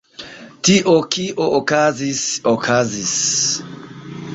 Tio, kio okazis, okazis.